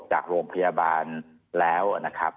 จากโรงพยาบาลแล้วนะครับ